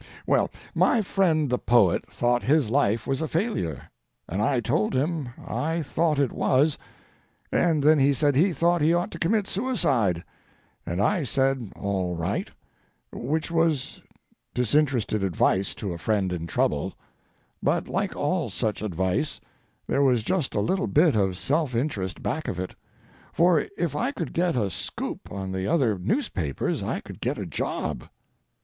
Well, my friend the poet thought his life was a failure, and I told him I thought it was, and then he said he thought he ought to commit suicide, and I said "all right," which was disinterested advice to a friend in trouble; but, like all such advice, there was just a little bit of self interest back of it, for if I could get a "scoop" on the other newspapers I could get a job.